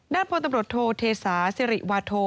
พลตำรวจโทเทศาสิริวาโท